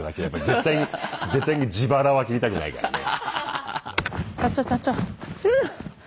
絶対に絶対に自腹は切りたくないからね。